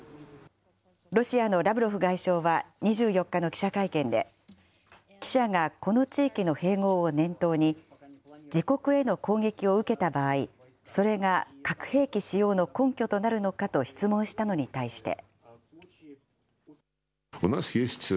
ロシアのラブロフ外相は２４日の記者会見で、記者がこの地域の併合を念頭に、自国への攻撃を受けた場合、それが核兵器使用の根拠となるのかと質問したのに対して。